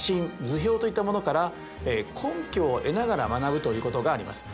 図表といったものから根拠を得ながら学ぶということがあります。